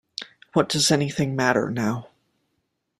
What does anything matter now?